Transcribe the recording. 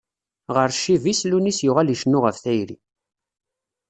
Ɣer ccib-is, Lunis yuɣal icennu ɣef tayri.